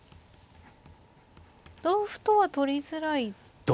同歩とは取りづらいですよね。